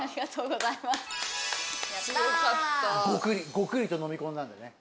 ゴクリと飲み込んだんでね。